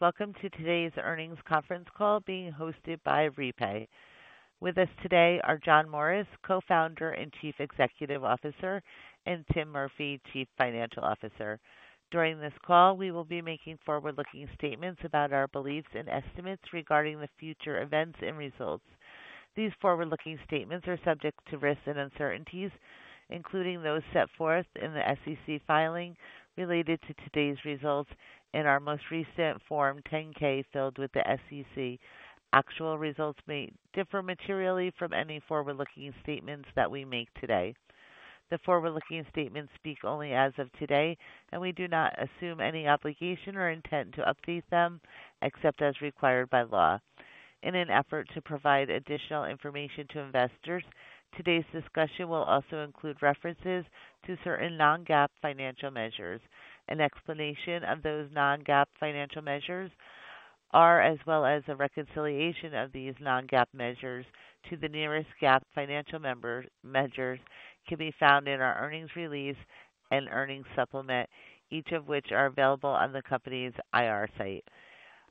Welcome to today's earnings conference call being hosted by REPAY. With us today are John Morris, Co-Founder and Chief Executive Officer, and Tim Murphy, Chief Financial Officer. During this call, we will be making forward-looking statements about our beliefs and estimates regarding the future events and results. These forward-looking statements are subject to risks and uncertainties, including those set forth in the SEC filing related to today's results in our most recent Form 10-K filed with the SEC. Actual results may differ materially from any forward-looking statements that we make today. The forward-looking statements speak only as of today, and we do not assume any obligation or intent to update them except as required by law. In an effort to provide additional information to investors, today's discussion will also include references to certain non-GAAP financial measures. An explanation of those non-GAAP financial measures as well as a reconciliation of these non-GAAP measures to the nearest GAAP financial measures can be found in our earnings release and earnings supplement, each of which are available on the company's IR Site.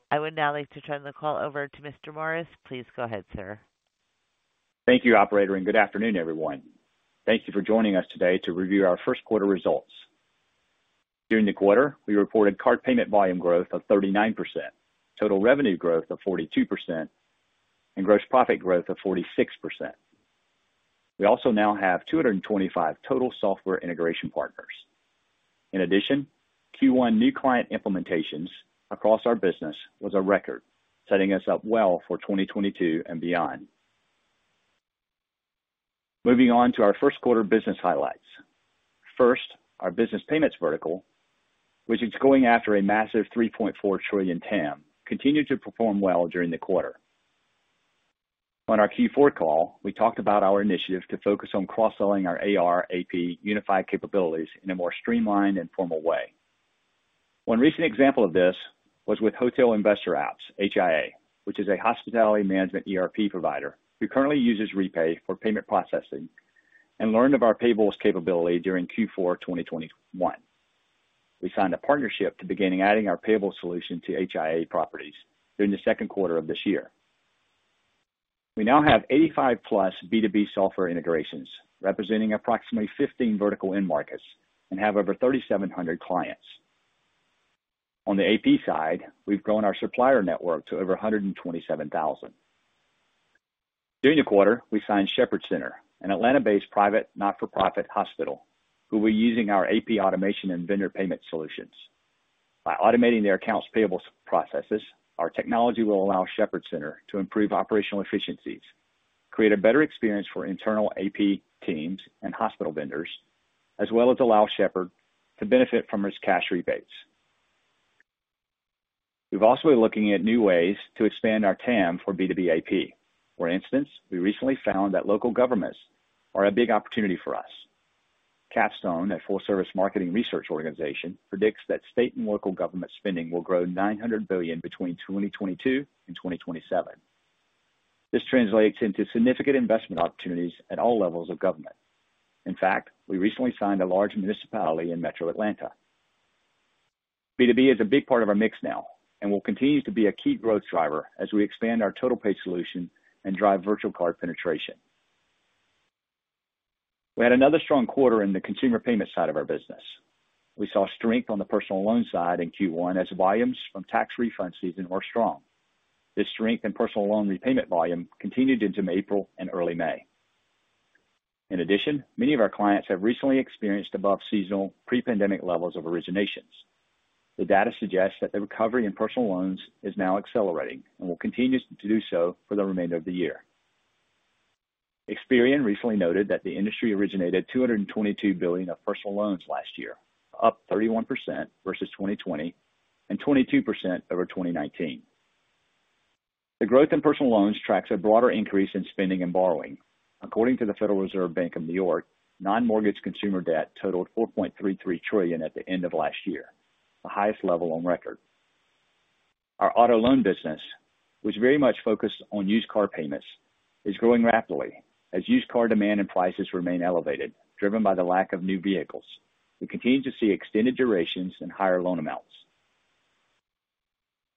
I would now like to turn the call over to Mr. Morris. Please go ahead, sir. Thank you, Operator, and good afternoon, everyone. Thank you for joining us today to review our first quarter results. During the quarter, we reported card payment volume growth of 39%, total revenue growth of 42%, and gross profit growth of 46%. We also now have 225 total software integration partners. In addition, Q1 new client implementations across our business was a record, setting us up well for 2022 and beyond. Moving on to our first quarter business highlights. First, our business payments vertical, which is going after a massive $3.4 trillion TAM, continued to perform well during the quarter. On our Q4 call, we talked about our initiatives to focus on cross-selling our AR/AP unified capabilities in a more streamlined and formal way. One recent example of this was with Hotel Investor Apps, HIA, which is a hospitality management ERP provider who currently uses REPAY for payment processing and learned of our payables capability during Q4 2021. We signed a partnership to begin adding our payable solution to HIA properties during the second quarter of this year. We now have 85+ B2B software integrations, representing approximately 15 vertical end markets and have over 3,700 clients. On the AP side, we've grown our supplier network to over 127,000. During the quarter, we signed Shepherd Center, an Atlanta-based private not-for-profit hospital who were using our AP automation and vendor payment solutions. By automating their accounts payable processes, our technology will allow Shepherd Center to improve operational efficiencies, create a better experience for internal AP teams and hospital vendors, as well as allow Shepherd to benefit from its cash rebates. We've also been looking at new ways to expand our TAM for B2B AP. For instance, we recently found that local governments are a big opportunity for us. Capstone, a full-service marketing research organization, predicts that state and local government spending will grow $900 billion between 2022 and 2027. This translates into significant investment opportunities at all levels of government. In fact, we recently signed a large municipality in Metro Atlanta. B2B is a big part of our mix now and will continue to be a key growth driver as we expand our TotalPay solution and drive virtual card penetration. We had another strong quarter in the consumer payment side of our business. We saw strength on the personal loan side in Q1 as volumes from tax refund season were strong. This strength in personal loan repayment volume continued into April and early May. In addition, many of our clients have recently experienced above seasonal pre-pandemic levels of originations. The data suggests that the recovery in personal loans is now accelerating and will continue to do so for the remainder of the year. Experian recently noted that the industry originated $222 billion of personal loans last year, up 31% versus 2020 and 22% over 2019. The growth in personal loans tracks a broader increase in spending and borrowing. According to the Federal Reserve Bank of New York, non-mortgage consumer debt totaled $4.33 trillion at the end of last year, the highest level on record. Our auto loan business, which very much focused on used car payments, is growing rapidly as used car demand and prices remain elevated, driven by the lack of new vehicles. We continue to see extended durations and higher loan amounts.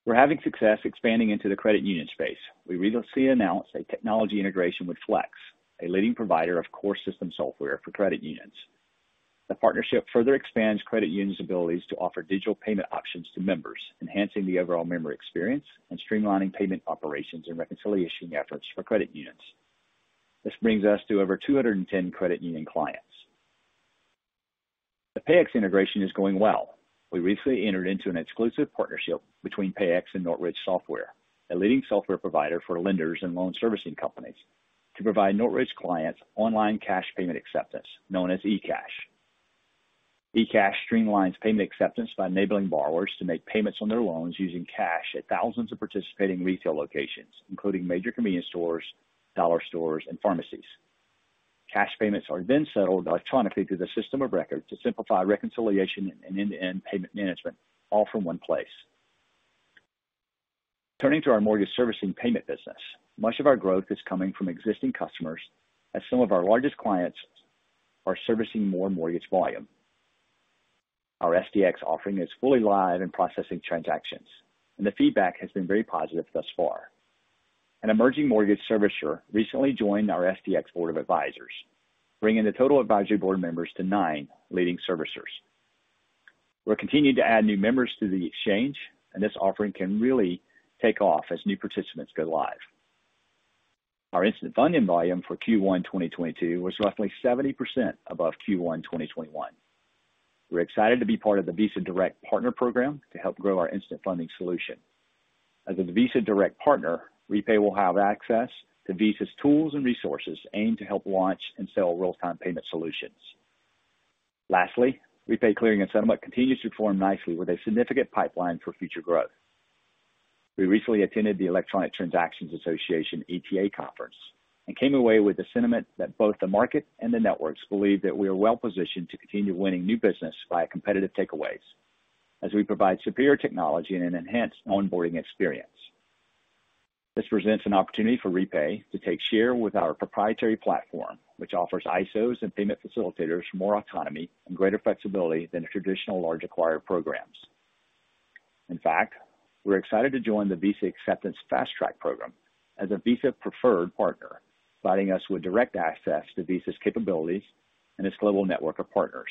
We're having success expanding into the credit union space. We recently announced a technology integration with FLEX, a leading provider of core system software for credit unions. The partnership further expands credit unions' abilities to offer digital payment options to members, enhancing the overall member experience and streamlining payment operations and reconciliation efforts for credit unions. This brings us to over 210 credit union clients. The Payix integration is going well. We recently entered into an exclusive partnership between Payix and Nortridge Software, a leading software provider for lenders and loan servicing companies, to provide Nortridge clients online cash payment acceptance, known as eCash. eCash streamlines payment acceptance by enabling borrowers to make payments on their loans using cash at thousands of participating retail locations, including major convenience stores, dollar stores, and pharmacies. Cash payments are then settled electronically through the system of record to simplify reconciliation and end-to-end payment management, all from one place. Turning to our mortgage servicing payment business, much of our growth is coming from existing customers as some of our largest clients are servicing more mortgage volume. Our SDx offering is fully live and processing transactions, and the feedback has been very positive thus far. An emerging mortgage servicer recently joined our SDx Board of Advisors, bringing the total Advisory Board members to nine leading servicers. We're continuing to add new members to the exchange and this offering can really take off as new participants go live. Our instant funding volume for Q1 2022 was roughly 70% above Q1 2021. We're excited to be part of the Visa Direct Partner program to help grow our instant funding solution. As a Visa Direct Partner, REPAY will have access to Visa's tools and resources aimed to help launch and sell real-time payment solutions. Lastly, REPAY Clearing and Settlement continues to perform nicely with a significant pipeline for future growth. We recently attended the Electronic Transactions Association ETA Conference and came away with the sentiment that both the market and the networks believe that we are well-positioned to continue winning new business via competitive takeaways as we provide superior technology and an enhanced onboarding experience. This presents an opportunity for REPAY to take share with our proprietary platform, which offers ISOs and payment facilitators more autonomy and greater flexibility than traditional large acquirer programs. In fact, we're excited to join the Visa Acceptance Fast Track Program as a Visa-preferred partner, providing us with direct access to Visa's capabilities and its global network of partners.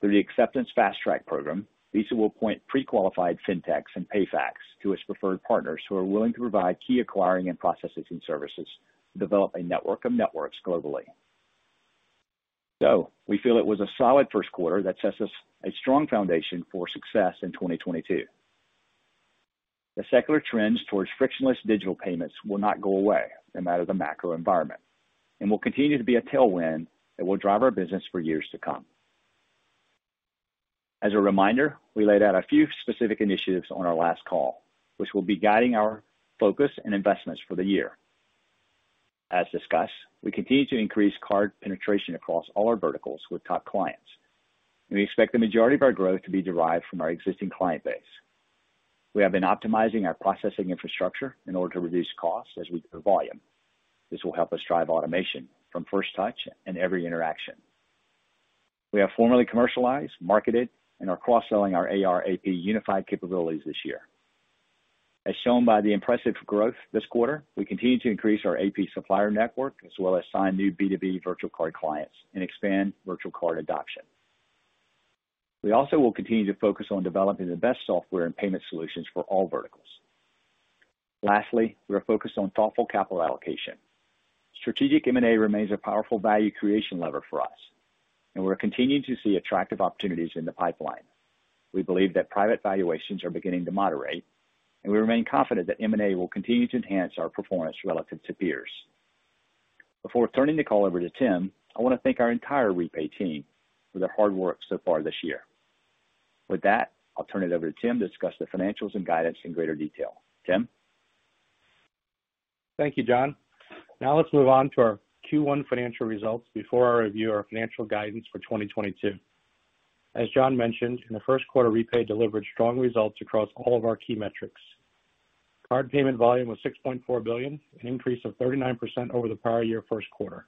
Through the Acceptance Fast Track Program, Visa will appoint pre-qualified fintechs and PayFacs to its preferred partners who are willing to provide key acquiring and processing services to develop a network of networks globally. We feel it was a solid first quarter that sets us a strong foundation for success in 2022. The secular trends towards frictionless digital payments will not go away no matter the macro environment and will continue to be a tailwind that will drive our business for years to come. As a reminder, we laid out a few specific initiatives on our last call, which will be guiding our focus and investments for the year. As discussed, we continue to increase card penetration across all our verticals with top clients, and we expect the majority of our growth to be derived from our existing client base. We have been optimizing our processing infrastructure in order to reduce costs as we do volume. This will help us drive automation from first touch and every interaction. We have formally commercialized, marketed, and are cross-selling our AR/AP unified capabilities this year. As shown by the impressive growth this quarter, we continue to increase our AP supplier network as well as sign new B2B virtual card clients and expand virtual card adoption. We also will continue to focus on developing the best software and payment solutions for all verticals. Lastly, we are focused on thoughtful capital allocation. Strategic M&A remains a powerful value creation lever for us, and we're continuing to see attractive opportunities in the pipeline. We believe that private valuations are beginning to moderate, and we remain confident that M&A will continue to enhance our performance relative to peers. Before turning the call over to Tim, I want to thank our entire REPAY team for their hard work so far this year. With that, I'll turn it over to Tim to discuss the financials and guidance in greater detail. Tim? Thank you, John. Now let's move on to our Q1 financial results before I review our financial guidance for 2022. As John mentioned, in the first quarter, REPAY delivered strong results across all of our key metrics. Card payment volume was $6.4 billion, an increase of 39% over the prior year first quarter.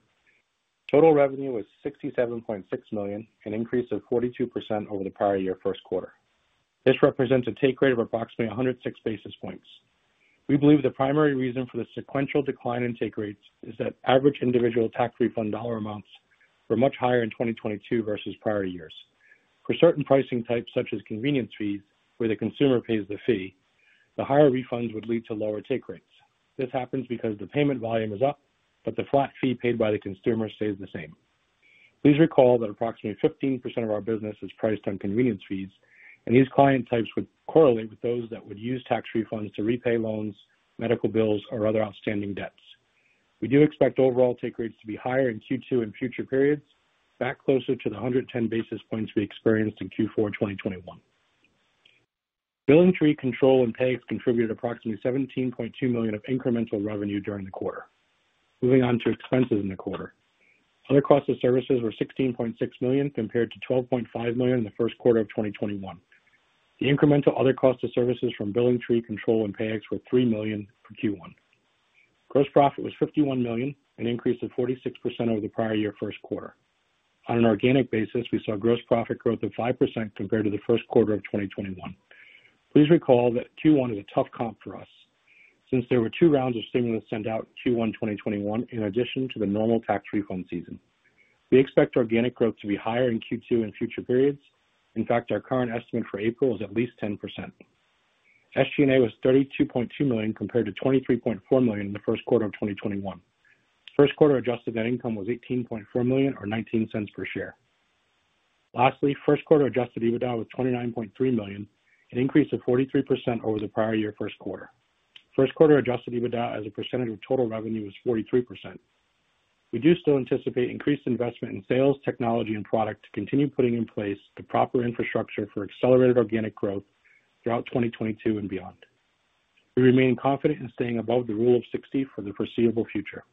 Total revenue was $67.6 million, an increase of 42% over the prior year first quarter. This represents a take rate of approximately 106 basis points. We believe the primary reason for the sequential decline in take rates is that average individual tax refund dollar amounts were much higher in 2022 versus prior years. For certain pricing types, such as convenience fees, where the consumer pays the fee, the higher refunds would lead to lower take rates. This happens because the payment volume is up, but the flat fee paid by the consumer stays the same. Please recall that approximately 15% of our business is priced on convenience fees, and these client types would correlate with those that would use tax refunds to repay loans, medical bills, or other outstanding debts. We do expect overall take rates to be higher in Q2 and future periods back closer to the 110 basis points we experienced in Q4 2021. BillingTree, Kontrol and Payix contributed approximately $17.2 million of incremental revenue during the quarter. Moving on to expenses in the quarter. Other costs of services were $16.6 million compared to $12.5 million in the first quarter of 2021. The incremental other cost of services from BillingTree, Kontrol and Payix were $3 million for Q1. Gross profit was $51 million, an increase of 46% over the prior year first quarter. On an organic basis, we saw gross profit growth of 5% compared to the first quarter of 2021. Please recall that Q1 is a tough comp for us since there were two rounds of stimulus sent out Q1 2021 in addition to the normal tax refund season. We expect organic growth to be higher in Q2 and future periods. In fact, our current estimate for April is at least 10%. SG&A was $32.2 million compared to $23.4 million in the first quarter of 2021. First quarter adjusted net income was $18.4 million or $0.19 per share. Lastly, first quarter adjusted EBITDA was $29.3 million, an increase of 43% over the prior year first quarter. First quarter adjusted EBITDA as a percentage of total revenue is 43%. We do still anticipate increased investment in sales, technology and product to continue putting in place the proper infrastructure for accelerated organic growth throughout 2022 and beyond. We remain confident in staying above the Rule of 40 for the foreseeable future.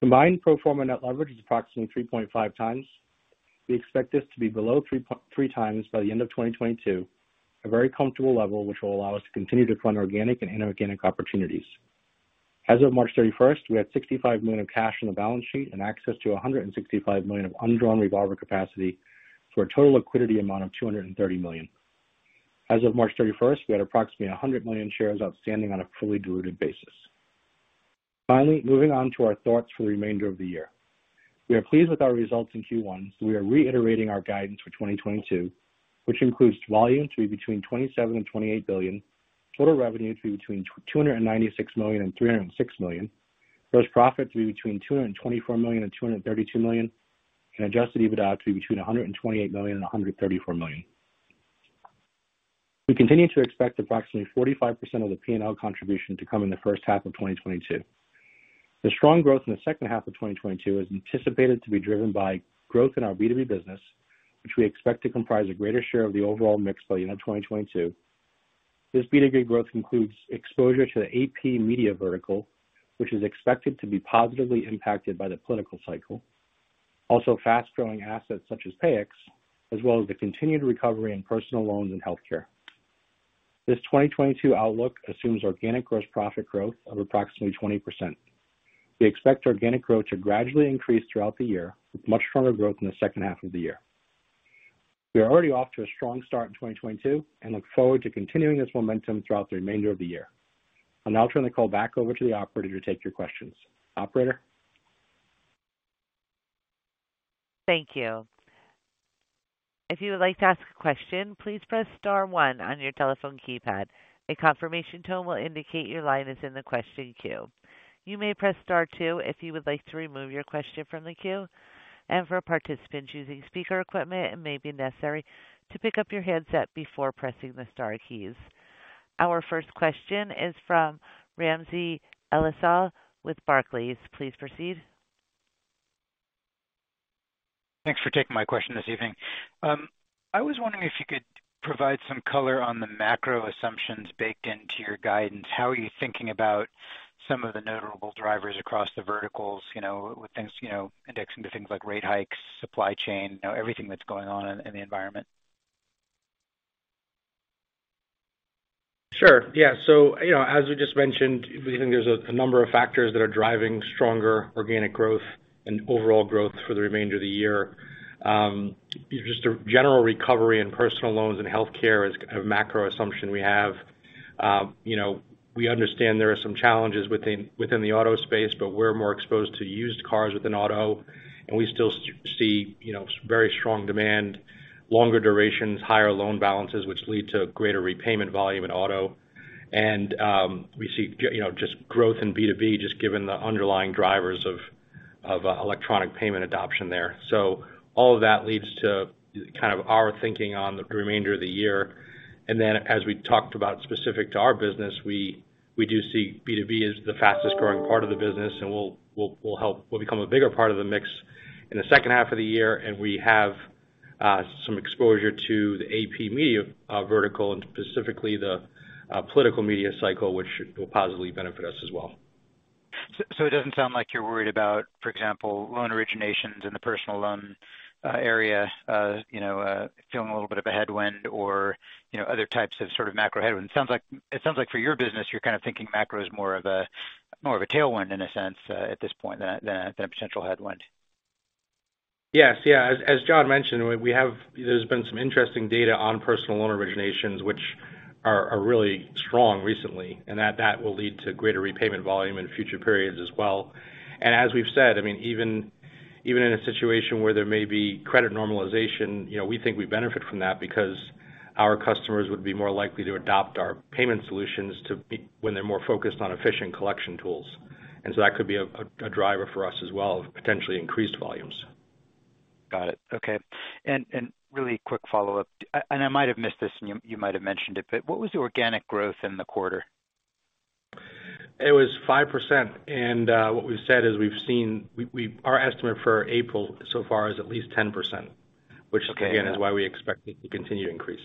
Combined pro forma net leverage is approximately 3.5 times. We expect this to be below three time by the end of 2022, a very comfortable level which will allow us to continue to fund organic and inorganic opportunities. As of March 31, we had $65 million of cash on the balance sheet and access to $165 million of undrawn revolver capacity for a total liquidity amount of $230 million. As of March 31, we had approximately 100 million shares outstanding on a fully diluted basis. Finally, moving on to our thoughts for the remainder of the year. We are pleased with our results in Q1, so we are reiterating our guidance for 2022, which includes volume to be between $27 billion and $28 billion. Total revenue to be between $296 million and $306 million. Gross profit to be between $224 million and $232 million. Adjusted EBITDA to be between $128 million and $134 million. We continue to expect approximately 45% of the P&L contribution to come in the first half of 2022. The strong growth in the second half of 2022 is anticipated to be driven by growth in our B2B business, which we expect to comprise a greater share of the overall mix by the end of 2022. This B2B growth includes exposure to the AP media vertical, which is expected to be positively impacted by the political cycle. Also fast-growing assets such as Payix, as well as the continued recovery in personal loans and healthcare. This 2022 outlook assumes organic gross profit growth of approximately 20%. We expect organic growth to gradually increase throughout the year, with much stronger growth in the second half of the year. We are already off to a strong start in 2022 and look forward to continuing this momentum throughout the remainder of the year. I'll now turn the call back over to the Operator to take your questions. Operator? Thank you. If you would like to ask a question, please press star one on your telephone keypad. A confirmation tone will indicate your line is in the question queue. You may press star two if you would like to remove your question from the queue. For participants using speaker equipment, it may be necessary to pick up your handset before pressing the star keys. Our first question is from Ramsey El-Assal with Barclays. Please proceed. Thanks for taking my question this evening. I was wondering if you could provide some color on the macro assumptions baked into your guidance. How are you thinking about some of the notable drivers across the verticals, you know, with things, you know, indexing to things like rate hikes, supply chain, you know, everything that's going on in the environment? Sure. Yeah. You know, as we just mentioned, we think there's a number of factors that are driving stronger organic growth and overall growth for the remainder of the year. Just a general recovery in personal loans and healthcare is kind of macro assumption we have. You know, we understand there are some challenges within the auto space, but we're more exposed to used cars within auto, and we still see, you know, very strong demand, longer durations, higher loan balances, which lead to greater repayment volume in auto. We see, you know, just growth in B2B, just given the underlying drivers of electronic payment adoption there. All of that leads to kind of our thinking on the remainder of the year. Then as we talked about specific to our business, we do see B2B as the fastest growing part of the business and will become a bigger part of the mix in the second half of the year. We have some exposure to the AP media vertical and specifically the political media cycle, which will positively benefit us as well. It doesn't sound like you're worried about, for example, loan originations in the personal loan area, you know, feeling a little bit of a headwind or, you know, other types of sort of macro headwinds. It sounds like for your business, you're kind of thinking macro is more of a tailwind in a sense, at this point than a potential headwind. Yes. Yeah. As John mentioned, we have, there's been some interesting data on personal loan originations, which are really strong recently, and that will lead to greater repayment volume in future periods as well. As we've said, I mean, even in a situation where there may be credit normalization, you know, we think we benefit from that because our customers would be more likely to adopt our payment solutions when they're more focused on efficient collection tools. That could be a driver for us as well of potentially increased volumes. Got it. Okay. Really quick follow-up, and I might have missed this and you might have mentioned it, but what was the organic growth in the quarter? It was 5%. What we've said is we've seen our estimate for April so far is at least 10%. Okay. Yeah. Which again, is why we expect it to continue to increase.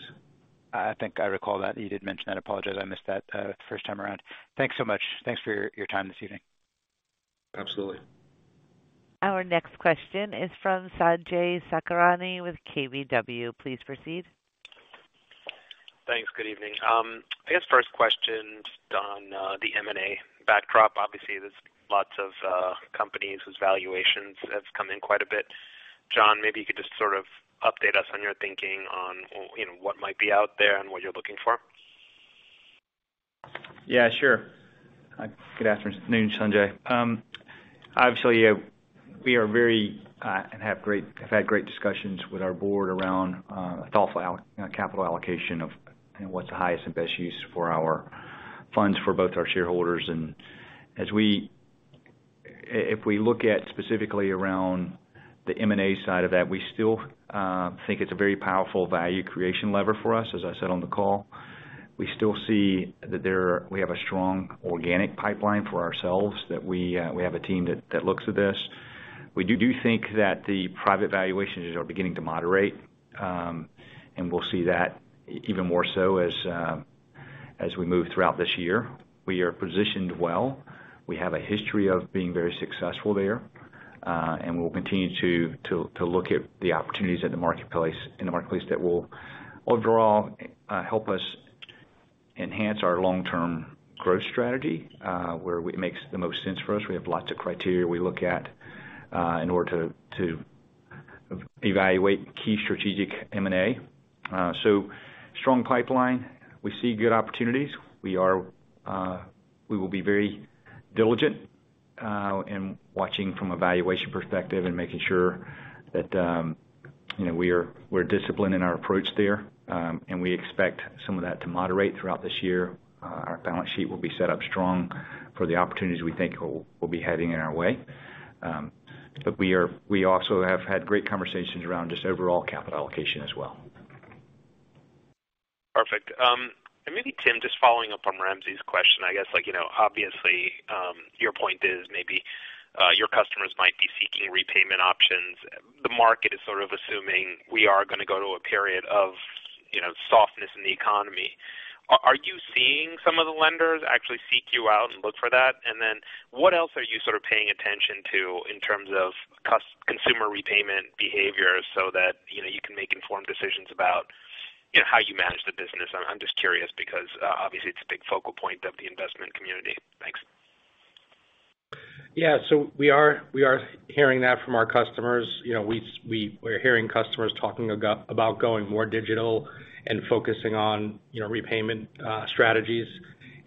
I think I recall that you did mention that. Apologize, I missed that, first time around. Thanks so much. Thanks for your time this evening. Absolutely. Our next question is from Sanjay Sakhrani with KBW. Please proceed. Thanks. Good evening. I guess first question just on the M&A backdrop. Obviously, there's lots of companies whose valuations have come in quite a bit. John, maybe you could just sort of update us on your thinking on, you know, what might be out there and what you're looking for. Yeah, sure. Good afternoon, Sanjay. Obviously, we are very and have had great discussions with our board around thoughtful, you know, capital allocation of what's the highest and best use for our funds for both our shareholders. If we look at specifically around the M&A side of that, we still think it's a very powerful value creation lever for us, as I said on the call. We still see that we have a strong organic pipeline for ourselves that we have a team that looks at this. We do think that the private valuations are beginning to moderate, and we'll see that even more so as, As we move throughout this year, we are positioned well. We have a history of being very successful there, and we'll continue to look at the opportunities in the marketplace that will overall help us enhance our long-term growth strategy, where it makes the most sense for us. We have lots of criteria we look at, in order to evaluate key strategic M&A. Strong pipeline. We see good opportunities. We will be very diligent in watching from a valuation perspective and making sure that, you know, we're disciplined in our approach there, and we expect some of that to moderate throughout this year. Our balance sheet will be set up strong for the opportunities we think will be heading in our way. We also have had great conversations around just overall capital allocation as well. Perfect. Maybe Tim, just following up on Ramsey's question. I guess, like, you know, obviously, your point is maybe, your customers might be seeking repayment options. The market is sort of assuming we are gonna go to a period of, you know, softness in the economy. Are you seeing some of the lenders actually seek you out and look for that? And then what else are you sort of paying attention to in terms of consumer repayment behavior so that, you know, you can make informed decisions about, you know, how you manage the business? I'm just curious because obviously it's a big focal point of the investment community. Thanks. Yeah. We are hearing that from our customers. You know, we're hearing customers talking about going more digital and focusing on, you know, repayment strategies.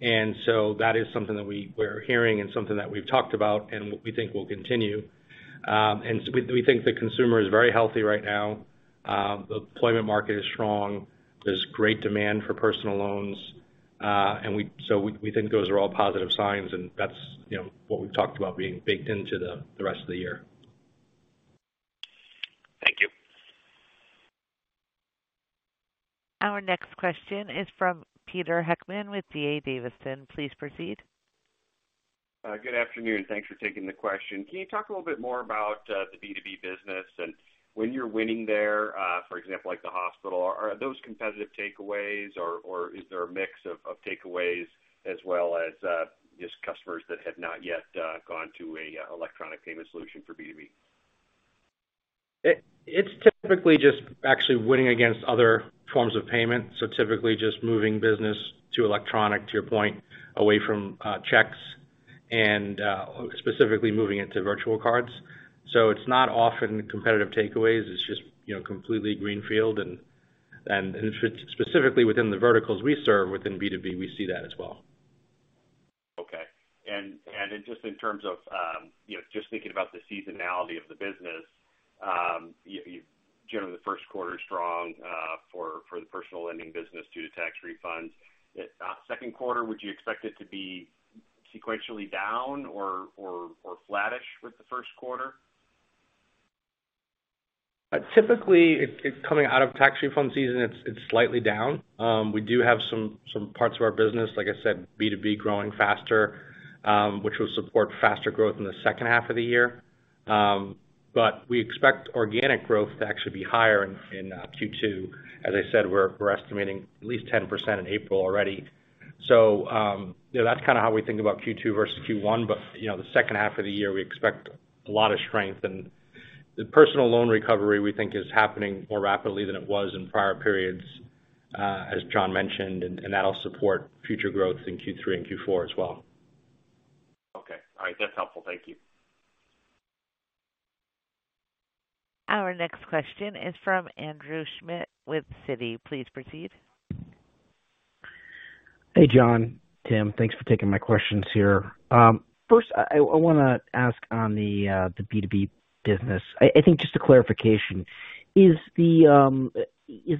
That is something we're hearing and something that we've talked about and we think will continue. We think the consumer is very healthy right now. The employment market is strong. There's great demand for personal loans, we think those are all positive signs, and that's, you know, what we've talked about being baked into the rest of the year. Thank you. Our next question is from Peter Heckmann with D.A. Davidson. Please proceed. Good afternoon. Thanks for taking the question. Can you talk a little bit more about, the B2B business and when you're winning there, for example, like the hospital, are those competitive takeaways or is there a mix of takeaways as well as, just customers that have not yet gone to a electronic payment solution for B2B? It's typically just actually winning against other forms of payment, so typically just moving business to electronic, to your point, away from checks and specifically moving it to virtual cards. It's not often competitive takeaways. It's just, you know, completely greenfield and specifically within the verticals we serve within B2B, we see that as well. Okay. Just in terms of, you know, just thinking about the seasonality of the business, you've generally the first quarter is strong, for the personal lending business due to tax refunds. Second quarter, would you expect it to be sequentially down or flattish with the first quarter? Typically, it coming out of tax refund season, it's slightly down. We do have some parts of our business, like I said, B2B growing faster, which will support faster growth in the second half of the year. We expect organic growth to actually be higher in Q2. As I said, we're estimating at least 10% in April already. You know, that's kinda how we think about Q2 versus Q1. You know, the second half of the year, we expect a lot of strength. The personal loan recovery, we think is happening more rapidly than it was in prior periods, as John mentioned, and that'll support future growth in Q3 and Q4 as well. Okay. All right. That's helpful. Thank you. Our next question is from Andrew Schmidt with Citi. Please proceed. Hey, John, Tim. Thanks for taking my questions here. First, I wanna ask on the B2B business. I think just a clarification. Is the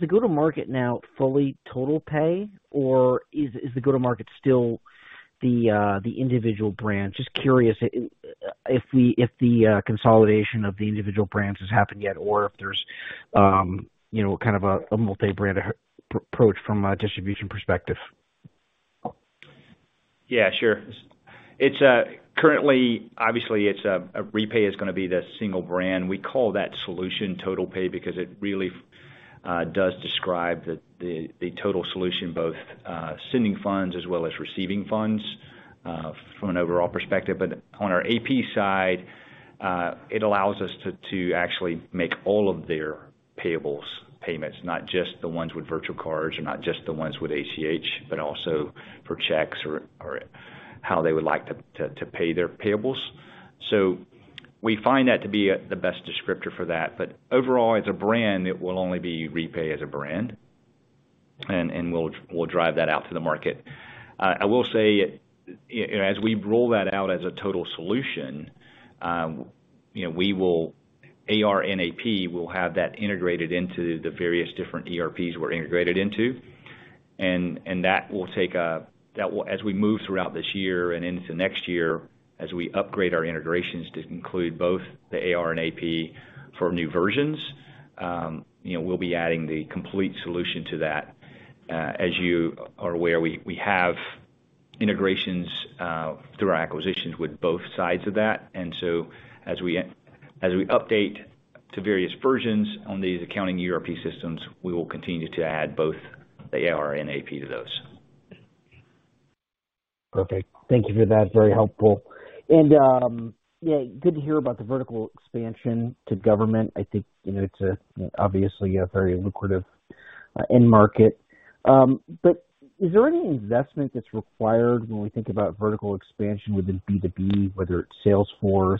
go-to-market now fully TotalPay, or is the go-to-market still the individual branch? Just curious if the consolidation of the individual brands has happened yet or if there's, you know, kind of a multi-brand AP approach from a distribution perspective. Yeah, sure. It's obviously REPAY is gonna be the single brand. We call that solution TotalPay because it really does describe the total solution, both sending funds as well as receiving funds from an overall perspective. On our AP side, it allows us to actually make all of their payables payments, not just the ones with virtual cards or not just the ones with ACH, but also for checks or how they would like to pay their payables. We find that to be the best descriptor for that. Overall, as a brand, it will only be REPAY as a brand. We'll drive that out to the market. I will say as we roll that out as a total solution, you know, we will, AR and AP will have that integrated into the various different ERPs we're integrated into. That will take. As we move throughout this year and into next year, as we upgrade our integrations to include both the AR and AP for new versions, you know, we'll be adding the complete solution to that. As you are aware, we have integrations through our acquisitions with both sides of that. As we update to various versions on these accounting ERP systems, we will continue to add both the AR and AP to those. Perfect. Thank you for that. Very helpful. Yeah, good to hear about the vertical expansion to government. I think, you know, it's obviously a very lucrative end market. But is there any investment that's required when we think about vertical expansion within B2B, whether it's Salesforce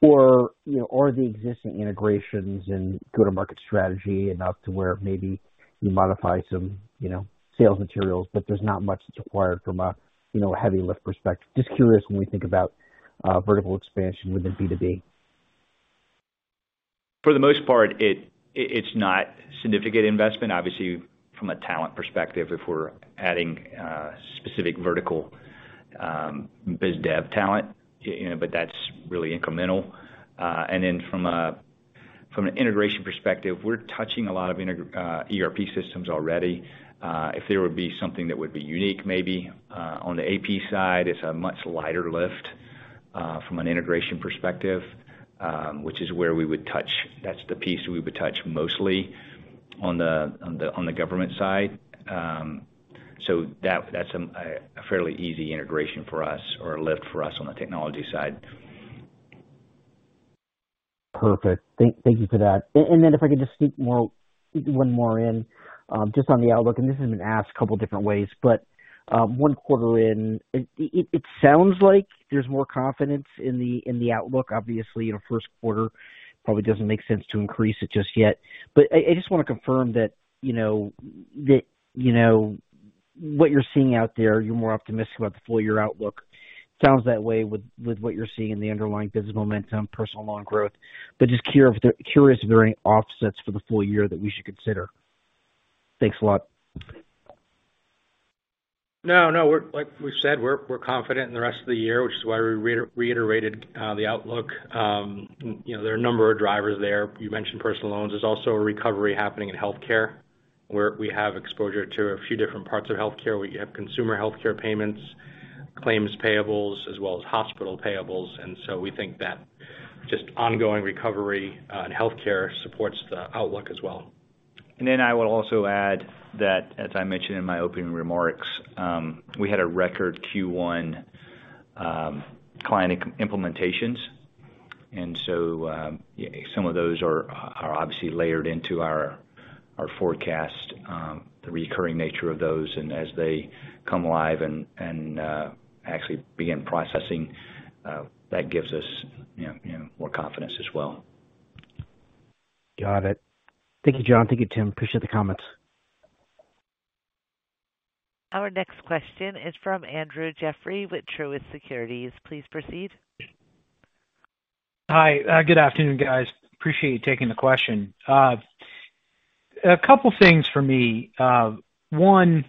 or, you know, are the existing integrations and go-to-market strategy enough to where maybe you modify some, you know, sales materials, but there's not much that's required from a, you know, heavy lift perspective. Just curious when we think about vertical expansion within B2B. For the most part, it's not significant investment. Obviously, from a talent perspective, if we're adding specific Vertical Biz Dev talent, you know, but that's really incremental. From an integration perspective, we're touching a lot of ERP systems already. If there would be something that would be unique maybe on the AP side, it's a much lighter lift from an integration perspective, which is where we would touch. That's the piece we would touch mostly on the government side. That's a fairly easy integration for us or a lift for us on the technology side. Perfect. Thank you for that. Then if I could just sneak one more in, just on the outlook, and this has been asked a couple different ways, but one quarter in, it sounds like there's more confidence in the outlook. Obviously, you know, first quarter probably doesn't make sense to increase it just yet. I just wanna confirm that, you know, what you're seeing out there, you're more optimistic about the full year outlook. Sounds that way with what you're seeing in the underlying business momentum, personal loan growth. Just curious if there are any offsets for the full year that we should consider. Thanks a lot. No, no. Like we've said, we're confident in the rest of the year, which is why we reiterated the outlook. You know, there are a number of drivers there. You mentioned personal loans. There's also a recovery happening in healthcare, where we have exposure to a few different parts of healthcare. We have consumer healthcare payments, claims payables, as well as hospital payables. We think that just ongoing recovery on healthcare supports the outlook as well. I would also add that, as I mentioned in my opening remarks, we had a record Q1, client implementations. Some of those are obviously layered into our forecast, the recurring nature of those. As they come live and actually begin processing, that gives us, you know, more confidence as well. Got it. Thank you, John. Thank you, Tim. Appreciate the comments. Our next question is from Andrew Jeffrey with Truist Securities. Please proceed. Hi. Good afternoon, guys. Appreciate you taking the question. A couple things for me. One,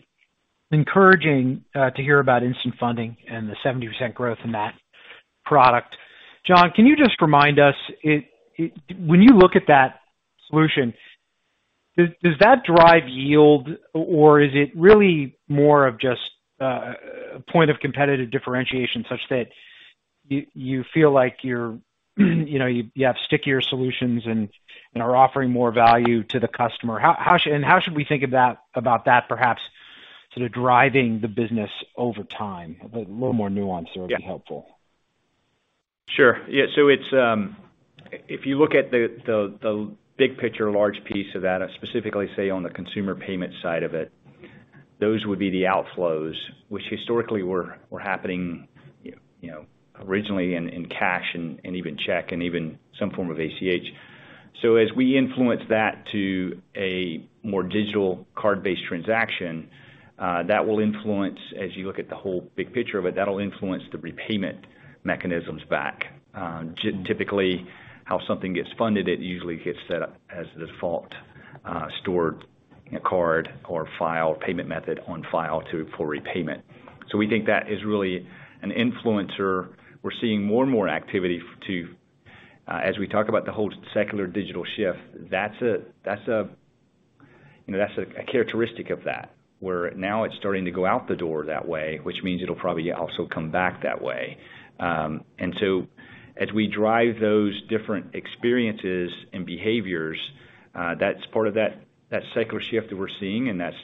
encouraging to hear about Instant Funding and the 70% growth in that product. John, can you just remind us, When you look at that solution, does that drive yield, or is it really more of just a point of competitive differentiation such that you feel like you're, you know, you have stickier solutions and are offering more value to the customer? How should we think about that perhaps sort of driving the business over time? A little more nuance there would be helpful. Sure. Yeah, it's if you look at the big picture, large piece of that, specifically say on the consumer payment side of it, those would be the outflows which historically were happening, you know, originally in cash and even check and even some form of ACH. As we influence that to a more digital card-based transaction, that will influence, as you look at the whole big picture of it, that'll influence the repayment mechanisms back. Typically, how something gets funded, it usually gets set up as the default stored card or filed payment method on file for repayment. We think that is really an influencer. We're seeing more and more activity, too, as we talk about the whole Secular Digital Shift, you know, that's a characteristic of that. We're now starting to go out the door that way, which means it'll probably also come back that way. As we drive those different experiences and behaviors, that's part of that secular shift that we're seeing, and that's,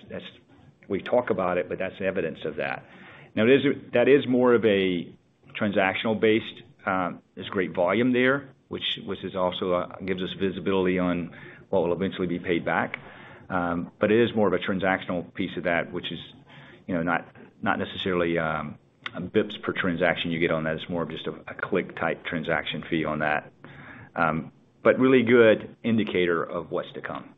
we talk about it, but that's evidence of that. Now, that is more of a transactional based. There's great volume there, which also gives us visibility on what will eventually be paid back. It is more of a transactional piece of that, which is, you know, not necessarily a BPS per transaction you get on that. It's more of just a click type transaction fee on that. Really good indicator of what's to come.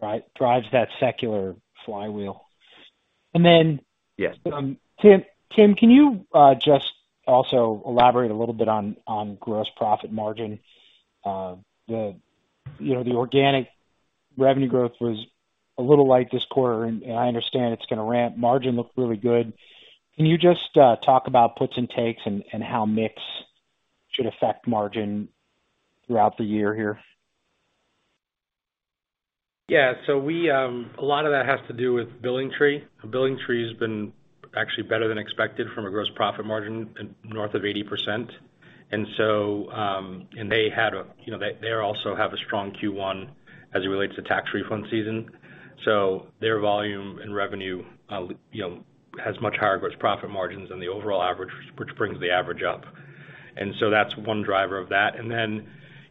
Right. Drives that secular flywheel. Yes. Tim, can you just also elaborate a little bit on gross profit margin? You know, the organic revenue growth was a little light this quarter, and I understand it's gonna ramp. Margin looked really good. Can you just talk about puts and takes and how mix should affect margin throughout the year here? Yeah. We a lot of that has to do with BillingTree. BillingTree has been actually better than expected from a gross profit margin north of 80%. They had you know they also have a strong Q1 as it relates to tax refund season. Their volume and revenue you know has much higher gross profit margins than the overall average, which brings the average up. That's one driver of that.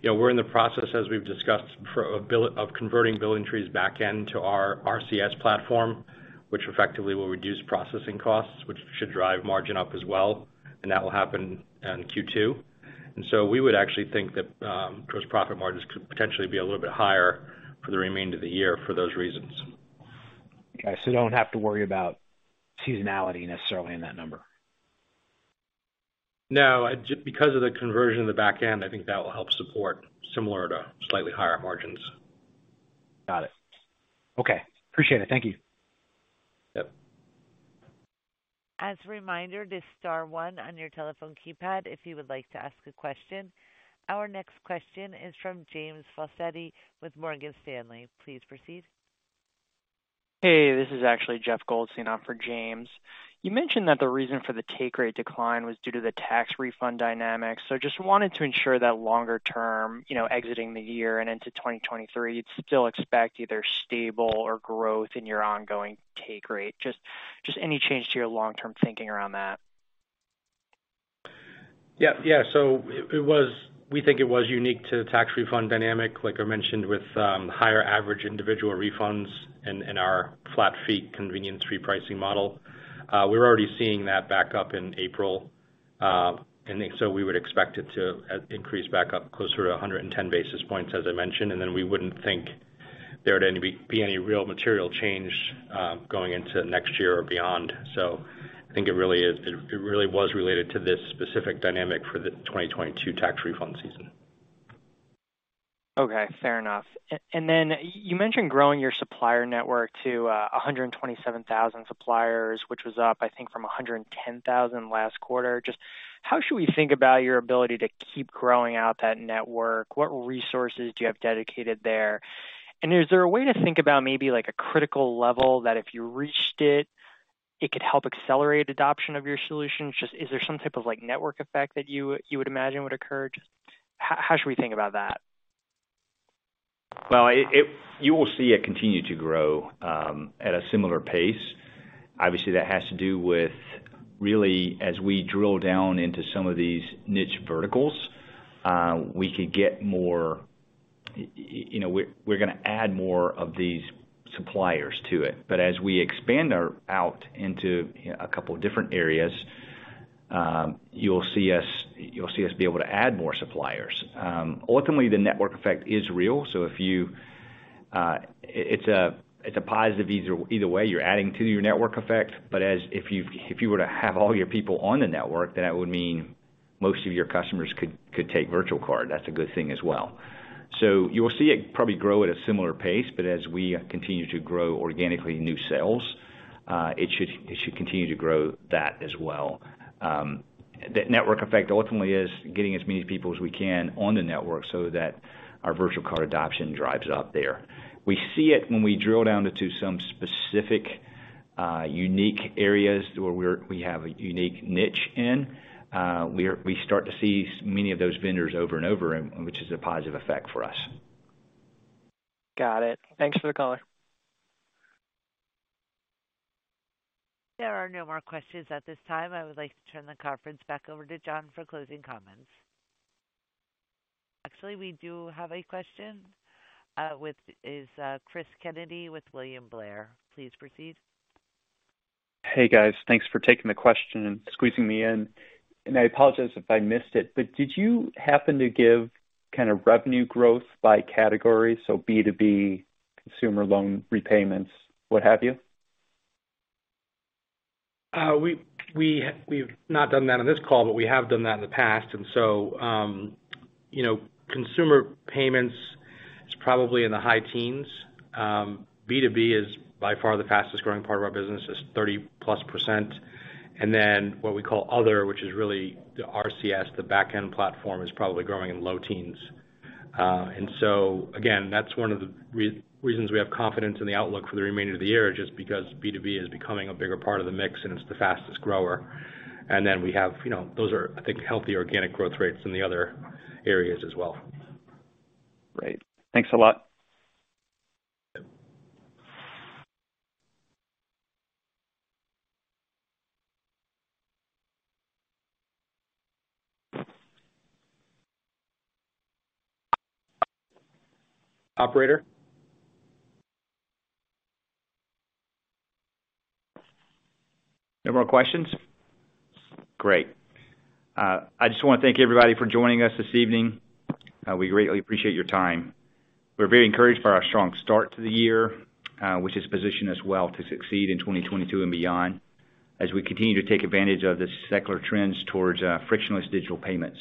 You know, we're in the process, as we've discussed, of converting BillingTree's back-end to our RCS platform, which effectively will reduce processing costs, which should drive margin up as well. That will happen in Q2. We would actually think that gross profit margins could potentially be a little bit higher for the remainder of the year for those reasons. Okay. You don't have to worry about seasonality necessarily in that number? Because of the conversion in the back end, I think that will help support similar to slightly higher margins. Got it. Okay. Appreciate it. Thank you. Yep. As a reminder, to star one on your telephone keypad if you would like to ask a question. Our next question is from James Faucette with Morgan Stanley. Please proceed. Hey, this is actually Jeff Goldstein on for James. You mentioned that the reason for the take rate decline was due to the tax refund dynamics. Just wanted to ensure that longer term, you know, exiting the year and into 2023, you'd still expect either stable or growth in your ongoing take rate. Just any change to your long-term thinking around that? We think it was unique to the tax refund dynamic, like I mentioned, with higher average individual refunds and our flat-fee convenience fee pricing model. We're already seeing that back up in April. We would expect it to increase back up closer to 110 basis points, as I mentioned, and then we wouldn't think there'd be any real material change going into next year or beyond. I think it really was related to this specific dynamic for the 2022 tax refund season. Okay. Fair enough. And then you mentioned growing your supplier network to 127,000 suppliers, which was up, I think, from 110,000 last quarter. How should we think about your ability to keep growing out that network? What resources do you have dedicated there? Is there a way to think about maybe like a critical level that if you reached it could help accelerate adoption of your solutions? Is there some type of, like, network effect that you would imagine would occur? Just how should we think about that? Well, you will see it continue to grow at a similar pace. Obviously, that has to do with really as we drill down into some of these niche verticals, you know, we're gonna add more of these suppliers to it. As we expand out into, you know, a couple of different areas, you'll see us be able to add more suppliers. Ultimately, the network effect is real, if you, it's a positive either way. You're adding to your network effect, if you were to have all your people on the network, then that would mean most of your customers could take virtual card. That's a good thing as well. You will see it probably grow at a similar pace, but as we continue to grow organically new sales, it should continue to grow that as well. That network effect ultimately is getting as many people as we can on the network so that our virtual card adoption drives up there. We see it when we drill down into some specific unique areas where we have a unique niche in, we start to see many of those vendors over and over, and which is a positive effect for us. Got it. Thanks for the color. There are no more questions at this time. I would like to turn the conference back over to John for closing comments. Actually, we do have a question with Chris Kennedy with William Blair. Please proceed. Hey, guys. Thanks for taking the question and squeezing me in. I apologize if I missed it, but did you happen to give kind of revenue growth by category, so B2B consumer loan repayments, what have you? We've not done that on this call, but we have done that in the past. You know, consumer payments is probably in the high teens%. B2B is by far the fastest growing part of our business, it's 30+%. What we call other, which is really the RCS, the Back-End Platform, is probably growing in low teens%. Again, that's one of the reasons we have confidence in the outlook for the remainder of the year, just because B2B is becoming a bigger part of the mix and it's the fastest grower. We have, you know, those are, I think, healthier organic growth rates than the other areas as well. Great. Thanks a lot. Yep. Operator? No more questions? Great. I just wanna thank everybody for joining us this evening. We greatly appreciate your time. We're very encouraged by our strong start to the year, which has positioned us well to succeed in 2022 and beyond as we continue to take advantage of the secular trends towards frictionless digital payments.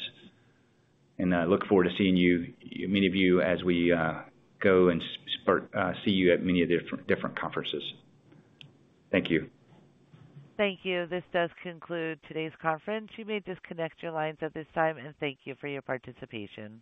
Look forward to seeing you, many of you as we see you at many of the different conferences. Thank you. Thank you. This does conclude today's conference. You may disconnect your lines at this time, and thank you for your participation.